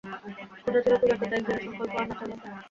ওটা ছিল ক্ষুধার্ত, তাই দৃঢসংকল্প আর নাছোড়বান্দা।